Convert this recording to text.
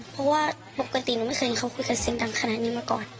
เพราะว่าปกติหนูไม่เคยเขาคุยกับเสียงดังขนาดนี้มาก่อน